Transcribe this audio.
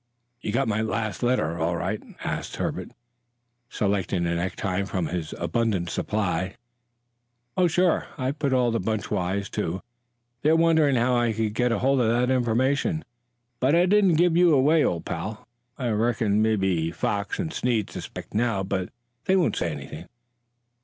"You got my last letter all right?" asked Herbert, selecting a necktie from his abundant supply. "Oh, sure. I've put all the bunch wise, too. They're wondering how I got hold of the information, but I didn't give you away, old pal. I reckon mebbe Foxy and Snead suspect now, but they won't say anything."